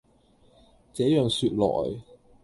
這樣說來，